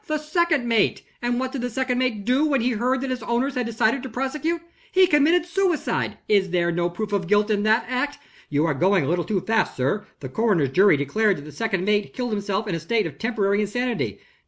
The second mate. And what did the second mate do, when he heard that his owners had decided to prosecute? He committed suicide! Is there no proof of guilt in that act?" "You are going a little too fast, sir. The coroner's jury declared that the second mate killed himself in a state of temporary insanity."